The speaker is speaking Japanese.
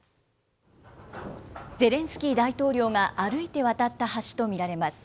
ゼレンスキー大統領が歩いて渡った橋と見られます。